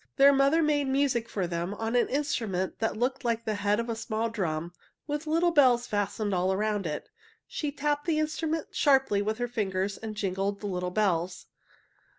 Their mother made music for them on an instrument that looked like the head of a small drum, with little bells fastened all around it. She tapped the instrument sharply with her fingers and jingled the little bells.